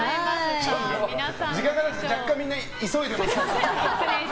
時間がなくて若干みんな、急いでますので。